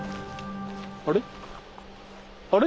あれ？